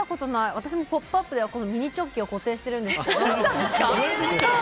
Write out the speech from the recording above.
私も「ポップＵＰ！」ではこのミニチョッキを固定しているんですけど。